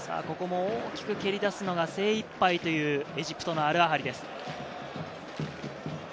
ここも大きく蹴り出すのは焦りいっぱいというエジプトのアルアハリです。